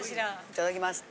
いただきます！